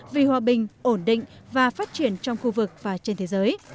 vì hòa bình ổn định và phát triển trong khu vực và trên thế giới